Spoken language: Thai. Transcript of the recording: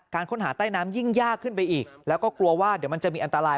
ค้นหาใต้น้ำยิ่งยากขึ้นไปอีกแล้วก็กลัวว่าเดี๋ยวมันจะมีอันตราย